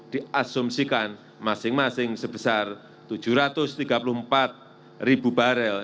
diasumsikan masing masing sebesar tujuh ratus tiga puluh empat ribu barel